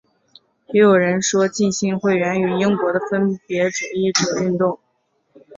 也有人说浸信会源于英国的分别主义者运动。